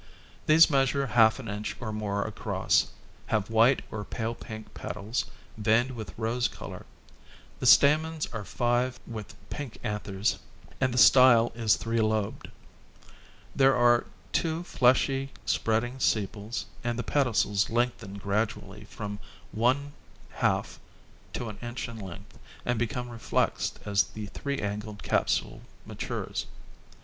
These measure half an inch or more across, have five white or pale pink petals, veined with rose color; the stamens are five with pink anthers, and the style is three lobed. There are two fleshy spreading sepals and the pedicels lengthen gradually from one half to an inch in length and become reflexed as the three angled capsule matures.